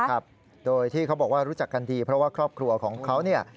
ครับโดยที่เขาบอกว่ารู้จักกันดีเพราะว่าครอบครัวของเขาเนี่ย